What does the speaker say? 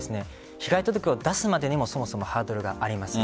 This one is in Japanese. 被害届を出すまでにもそもそもハードルがあります。